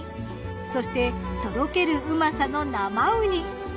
そしてとろけるうまさの生ウニ。